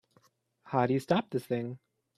How do you stop this thing?